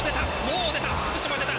もう出た！